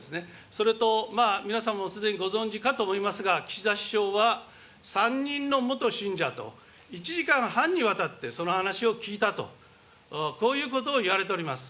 それと、皆さんもすでにご存じかと思いますが、岸田首相は、３人の元信者と１時間半にわたってその話を聞いたと、こういうことを言われております。